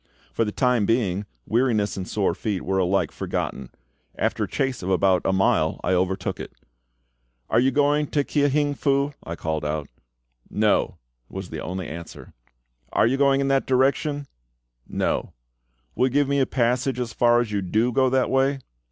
For the time being weariness and sore feet were alike forgotten. After a chase of about a mile I overtook it. "Are you going to Kia hing Fu?" I called out. "No," was the only answer. "Are you going in that direction?" "No." "Will you give me a passage as far as you do go that way?"